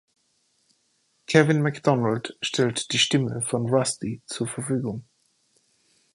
Kevin McDonald stellt die Stimme von Rusty zur Verfügung.